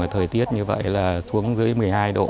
thời tiết như vậy là xuống dưới một mươi hai độ